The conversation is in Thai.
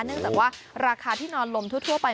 เนื่องจากว่าราคาที่นอนลมทั่วไป